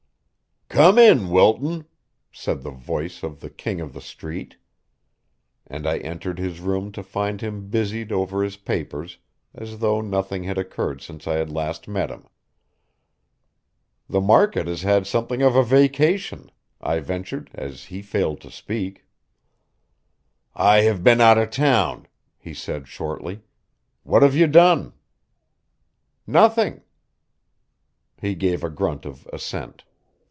"Come in, Wilton," said the voice of the King of the Street; and I entered his room to find him busied over his papers, as though nothing had occurred since I had last met him. "The market has had something of a vacation." I ventured, as he failed to speak. "I have been out of town," he said shortly. "What have you done?" "Nothing." He gave a grunt of assent.